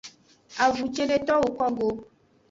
Avun cedeto woko go.